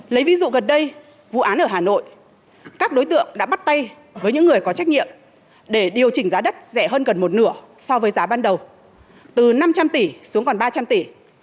lấy ví dụ gần đây vụ án ở hà nội các đối tượng đã bắt tay với những người có trách nhiệm để điều chỉnh giá đất rẻ hơn gần một nửa so với giá ban đầu từ năm trăm linh tỷ xuống còn ba trăm linh tỷ